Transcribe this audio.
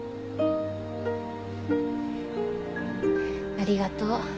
ありがとう。